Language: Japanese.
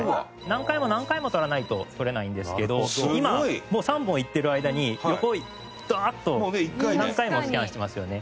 何回も何回も取らないと取れないんですけど今もう３本いっている間に横ダーッと何回もスキャンしてますよね。